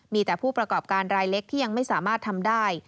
มีแต่ผู้ประกอบการรายเล็กที่ยังไม่สามารถทำได้